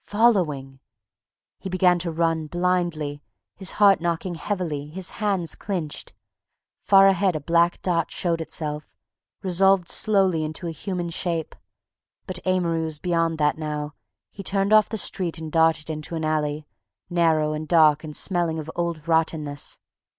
following. He began to run, blindly, his heart knocking heavily, his hands clinched. Far ahead a black dot showed itself, resolved slowly into a human shape. But Amory was beyond that now; he turned off the street and darted into an alley, narrow and dark and smelling of old rottenness.